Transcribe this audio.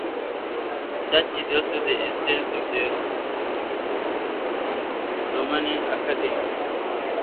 Such is also the stance of the Romanian Academy.